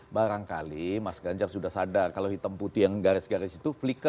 barangkali mas ganjar sudah sadar kalau hitam putih yang garis garis itu flika